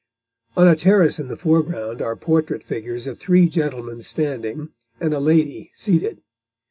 On a terrace in the foreground are portrait figures of three gentlemen standing, and a lady seated.